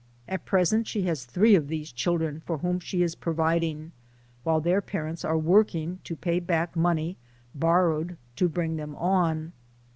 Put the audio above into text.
At present she has three of these children for whom she is providing, while their parents are working to pay back money bor rowed to bring them on.